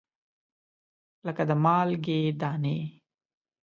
لګه د مالګې دانې